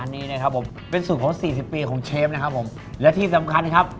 นี่นะครับผมเป็นสูตรของสี่สิบปีของเชฟนะครับผมและที่สำคัญครับ